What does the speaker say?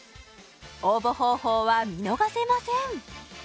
応募方法は見逃せません！